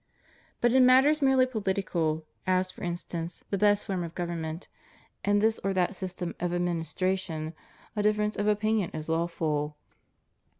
But in matters merely political, as for instance the best form of government, and this or that system of adminis tration, a difference of opinion is lawful.